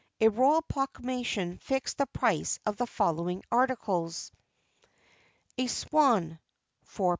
a royal proclamation fixed the price of the following articles: [XXX 45] £ _s.